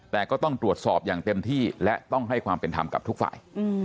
แต่ก็ต้องตรวจสอบอย่างเต็มที่และต้องให้ความเป็นธรรมกับทุกฝ่าย